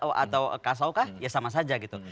atau kasaukah ya sama saja gitu